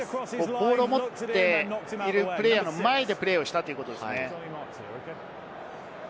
ボールを持っているプレーヤーの前でプレーしたということですね。